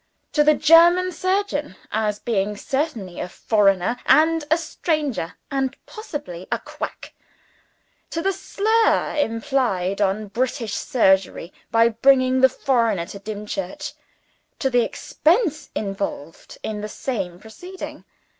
To the German surgeon, as being certainly a foreigner and a stranger, and possibly a quack. To the slur implied on British Surgery by bringing the foreigner to Dimchurch. To the expense involved in the same proceeding.